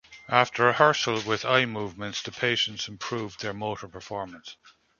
After rehearsal with eye movements, the patients improved their motor performance.